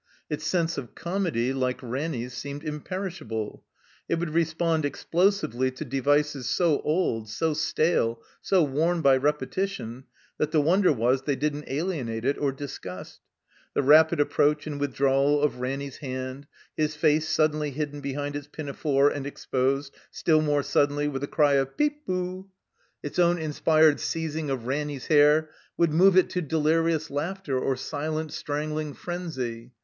Its sense of comedy, like Ranny's, seemed imperish able. It would respond explosively to devices so old, so stale, so worn by repetition, that the wonder was they didn't alienate it, or disgust. The rapid approach and withdrawal of Ranny's hand, his face suddenly hidden behind its pinafore and exposed, still more suddenly, with a cry of *' Peep bo!" its i68 THE COMBINED MAZE own inspired seizing of Ranny's hair, would move it to delirious laughter or silent strangling frenzy.